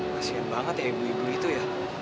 kasian banget ya ibu ibu itu ya